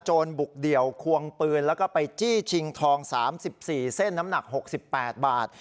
บุกเดี่ยวควงปืนแล้วก็ไปจี้ชิงทอง๓๔เส้นน้ำหนัก๖๘บาท